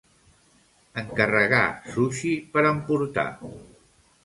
Encarregar sushi per emportar.